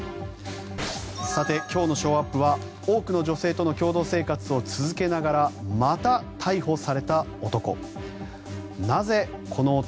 今日のショーアップは多くの女性との共同生活を続けながらまた逮捕された男。